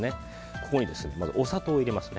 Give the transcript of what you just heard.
ここにまずお砂糖を入れます。